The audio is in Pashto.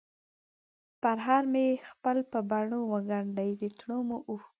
پرهر مې خپل په بڼووګنډی ، دتړمو اوښکو،